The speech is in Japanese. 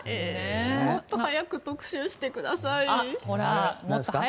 もっと早く特集してください。